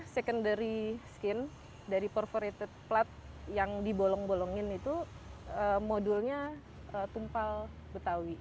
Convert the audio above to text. secondary skin dari corporated plat yang dibolong bolongin itu modulnya tumpal betawi